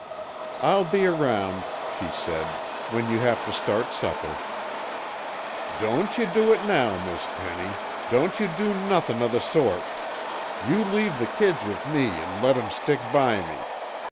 "I'll be around," she said, "when you have to start supper." "Don't yuh do it now, Miss Penny, don't you do nothin' o' the sort. You leave the kids with me an' let 'em stick by me.